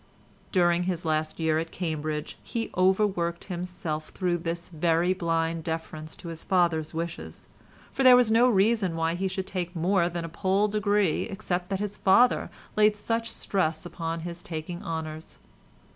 During his last year at Cambridge he overworked himself through this very blind deference to his father's wishes, for there was no reason why he should take more than a poll degree except that his father laid such stress upon his taking honours.